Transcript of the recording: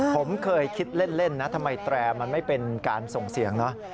ผมเคยคิดเล่นนะทำไมแตรมันไม่เป็นการส่งเสียงเนอะ